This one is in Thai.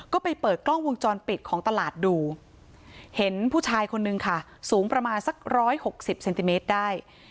ก็ไปเปิดกล้องวงจรปิดของตลาดดูเห็นผู้ชายคนนึงค่ะสูงประมาณสัก๑๖๐เซนติเมตรได้